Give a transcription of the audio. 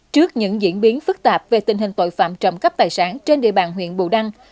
trước những diễn biến phức tạp về tình hình tội phạm trộm cắp tài sản trên địa bàn huyện bù đăng